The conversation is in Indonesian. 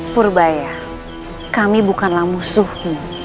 purbaya kami bukanlah musuhmu